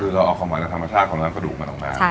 คือเราเอาความหวานในธรรมชาติความหวานกระดูกมาตรงนั้น